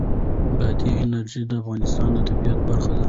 بادي انرژي د افغانستان د طبیعت برخه ده.